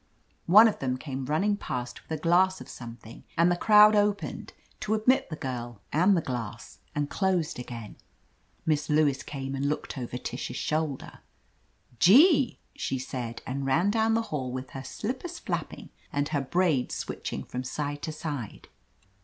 One of them came running past with a glass of something, and the crowd opened to admit the girl and the glass and closed again. Miss Lewis came and looked over Tish's shoulder. 4 "Gee !" she said, and ran down the hall with her slippers flapping and her braid switching from side to side.